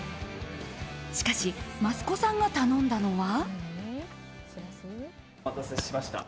しかし、益子さんが頼んだのは。